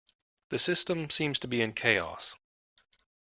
The system seems to be in chaos.